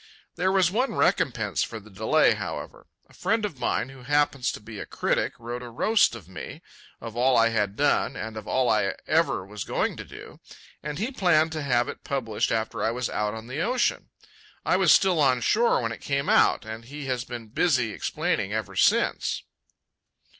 There was one recompense for the delay, however. A friend of mine, who happens to be a critic, wrote a roast of me, of all I had done, and of all I ever was going to do; and he planned to have it published after I was out on the ocean. I was still on shore when it came out, and he has been busy explaining ever since.